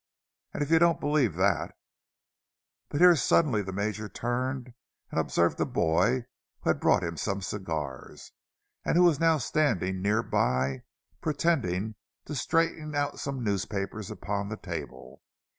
And if you don't believe that—" But here suddenly the Major turned, and observed a boy who had brought him some cigars, and who was now standing near by, pretending to straighten out some newspapers upon the table.